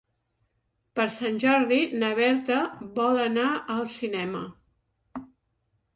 Per Sant Jordi na Berta vol anar al cinema.